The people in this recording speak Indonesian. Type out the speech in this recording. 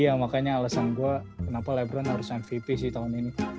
itu dia makanya alasan gue kenapa lebron harus mvp sih tahun ini